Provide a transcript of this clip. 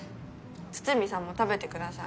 筒見さんも食べてください。